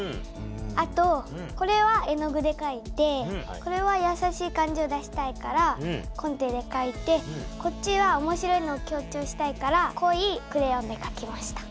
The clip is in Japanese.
あとこれは絵の具でかいてこれはやさしい感じを出したいからコンテでかいてこっちは面白いのを強調したいからこいクレヨンでかきました。